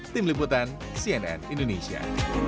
tim liputan cnn indonesia